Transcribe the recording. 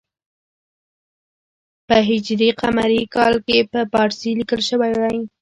په ه ق کال کې په پارسي لیکل شوی دی.